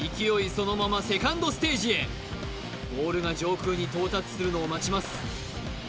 そのままセカンドステージへボールが上空に到達するのを待ちます